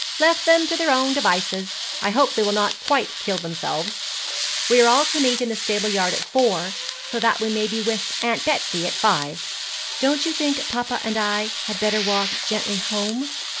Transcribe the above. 'Left them to their own devices. I hope they will not quite kill themselves. We are all to meet in the stable yard at four, so that we may be with Aunt Betsy at five.' 'Don't you think papa and I had better walk gently home?'